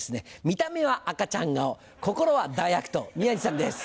見た目は赤ちゃん顔心は大悪党宮治さんです。